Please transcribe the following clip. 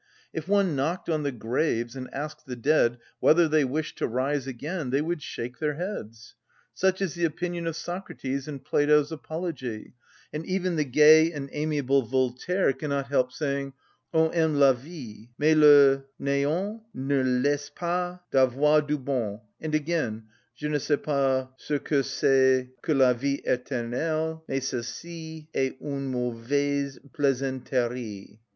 If one knocked on the graves, and asked the dead whether they wished to rise again, they would shake their heads. Such is the opinion of Socrates in "Plato's Apology," and even the gay and amiable Voltaire cannot help saying, "On aime la vie; mais le néant ne laisse pas d'avoir du bon;" and again, "Je ne sais pas ce que c'est que la vie éternelle, mais celle‐ci est une mauvaise plaisanterie."